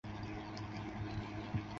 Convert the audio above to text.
之后林瑟康进入华盛顿大学学习。